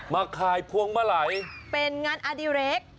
ขายพวงมาลัยเป็นงานอดีเรค